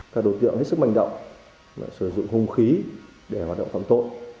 các đối tượng hết sức manh động sử dụng hung khí để hoạt động phạm tội